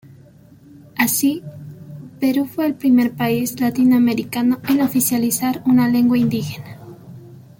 Así, Perú fue el primer país latinoamericano en oficializar una lengua indígena.